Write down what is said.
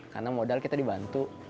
karena modal kita dibantu